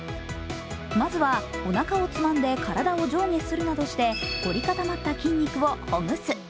まずは、おなかをつまんで体を上下するなど凝り固まった筋肉をほぐす。